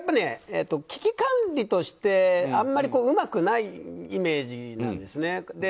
危機管理として、あまりうまくないイメージなんですね。